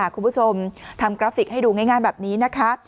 คุณผู้ชมทำกราฟิกให้ดูง่ายแบบนี้นะคะ